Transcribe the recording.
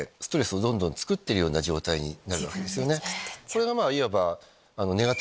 これがいわば。